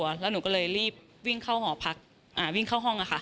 เพราะว่าหนูกลัวแล้วหนูก็เลยรีบวิ่งเข้าห้อง